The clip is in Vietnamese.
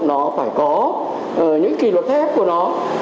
nó phải có những kỳ luật thép của nó